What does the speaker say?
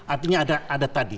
artinya ada tadi